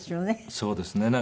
そうですね。